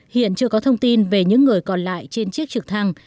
hiện chưa có thông tin về những người còn lại trên chiếc trực thăng